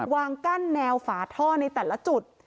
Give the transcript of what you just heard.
วางกั้นแนวฝาท่อในแต่ละจุด